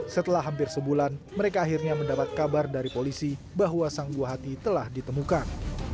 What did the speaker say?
setelah hampir sebulan mereka akhirnya mendapat kabar dari polisi bahwa sang buah hati telah ditemukan